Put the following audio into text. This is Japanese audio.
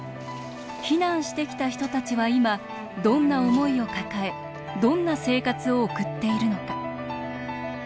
避難してきた人たちは今どんな思いを抱えどんな生活を送っているのか。